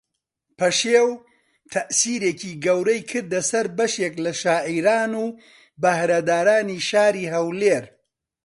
پەشێو تەئسیرێکی گەورەی کردە سەر بەشێک لە شاعیران و بەھرەدارانی شاری ھەولێر